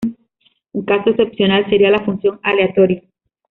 Un caso excepcional sería la función aleatorio.